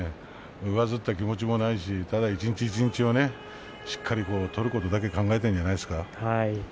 上ずった気持ちもないですしただ一日一日しっかりと取ることだけ考えているんじゃないですか。